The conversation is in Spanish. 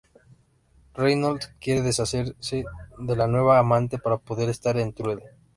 Reinhold quiere deshacerse de la nueva amante para poder estar con Trude.